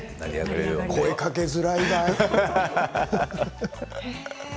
声かけづらいな。